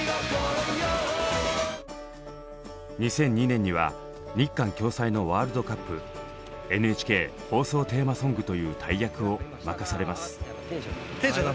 ２００２年には日韓共催のワールドカップＮＨＫ放送テーマソングという大役を任されます。